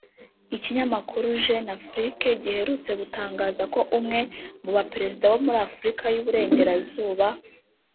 Ikinyamakuru Jeune Afrique giherutse gutangaza ko umwe mu baperezida bo muri Afurika y’Uburengerazuba